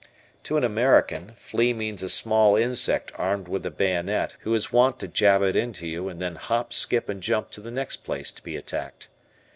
To an American, flea means a small insect armed with a bayonet, who is wont to jab it into you and then hop, skip, and jump to the next place to be attacked.